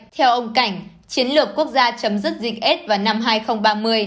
theo ông cảnh chiến lược quốc gia chấm dứt dịch s vào năm hai nghìn ba mươi